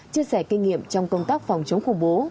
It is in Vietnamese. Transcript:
chia sẻ kinh nghiệm trong công tác phòng chống khủng bố